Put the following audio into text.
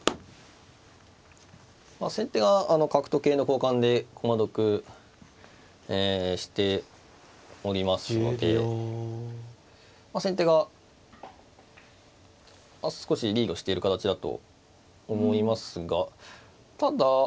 先手が角と桂の交換で駒得しておりますので先手が少しリードしている形だと思いますがただ。